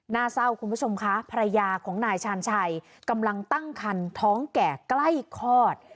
หน้าเศร้าคุณผู้ชมคะภรรยาของนายชาญชัยกำลังตั้งคันท้องแก่ใกล้คลอด